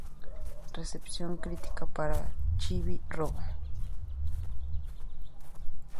Recepción crítica para "Chibi-Robo!